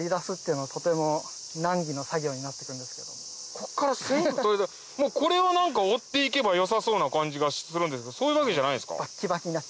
こっから繊維をもうこれを織って行けばよさそうな感じがするんですがそういうわけじゃないんですか？